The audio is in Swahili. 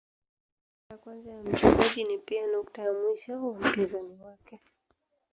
Nukta ya kwanza ya mchezaji ni pia nukta ya mwisho wa mpinzani wake.